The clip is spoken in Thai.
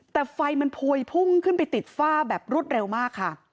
แต่ไฟมันพวยพุ่งขึ้นไปติดฝ้าแบบรวดเร็วมากค่ะ